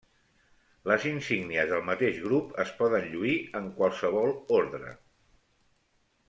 Les insígnies del mateix grup es poden lluir en qualsevol ordre.